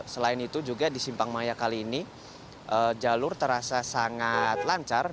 selain itu juga di simpang maya kali ini jalur terasa sangat lancar